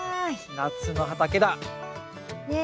夏の畑だ。